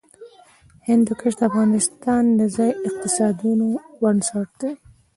هندوکش د افغانستان د ځایي اقتصادونو بنسټ دی.